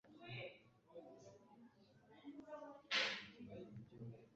Ndashaka umwambaro wa siporo mushiki wanjye.